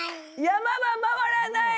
山は回らない。